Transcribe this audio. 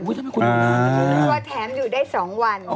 ตัวแถมอยู่ได้สองวัน